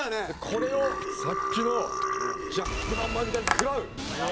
これをさっきのジャック・ハンマーみたいに食らう！